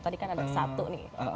tadi kan ada satu nih